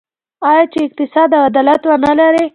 آیا چې اقتصاد او عدالت ونلري؟